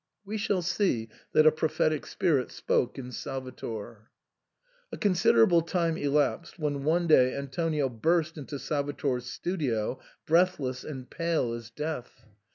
We shall see that a prophetic spirit spoke in Sal vator. A considerable time elapsed, when one day Antonio burst into Salvator's studio breathless and pale as death.